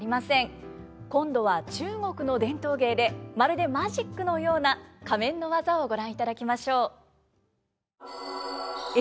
今度は中国の伝統芸でまるでマジックのような仮面の技をご覧いただきましょう。